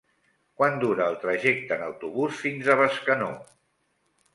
Quant dura el trajecte en autobús fins a Bescanó?